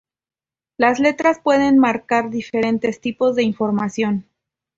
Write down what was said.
Las letras pueden marcar diferentes tipos de información.